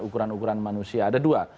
ukuran ukuran manusia ada dua